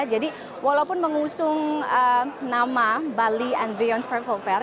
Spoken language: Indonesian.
jadi walaupun mengusung nama bali and beyond travel fair